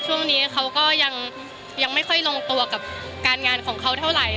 ช่วงนี้เขาก็ยังไม่ค่อยลงตัวกับการงานของเขาเท่าไหร่